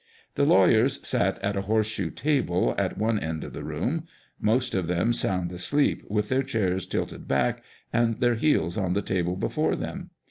The lawyers sat at a horseshoe table at one end of the room ; most of them sound asleep with their chairs tilted back and their heels 011 the table before them.